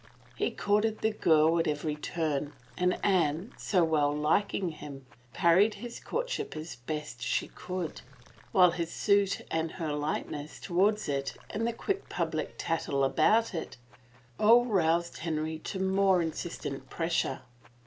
He courted the girl at every turn, and Anne, so well liking him, parried his courtship as best she could, while his suit and her lightness toward it and the quick public tattle about it, all roused Henry to more insistent pres sure.